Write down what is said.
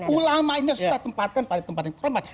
ulama ini sudah kita tempatkan pada tempat yang terlembat